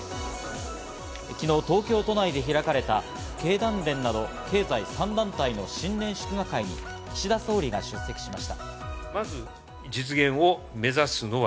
昨日、東京都内で開かれた経団連など経済３団体の新年祝賀会に岸田総理が出席しました。